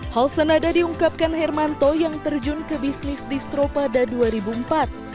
hal senada diungkapkan hermanto yang terjun ke bisnis distro pada dua ribu empat